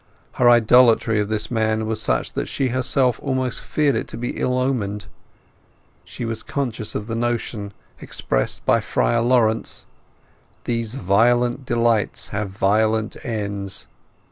Her idolatry of this man was such that she herself almost feared it to be ill omened. She was conscious of the notion expressed by Friar Laurence: "These violent delights have violent ends."